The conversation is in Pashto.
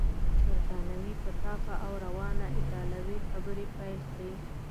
بریتانوي په صافه او روانه ایټالوې خبرې پیل کړې.